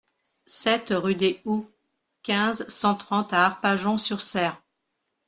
sept rue des Houx, quinze, cent trente à Arpajon-sur-Cère